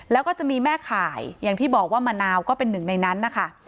แล้วก็จะมีแม่ข่ายอย่างที่บอกว่ามะนาวก็เป็นหนึ่งในนั้นนะคะ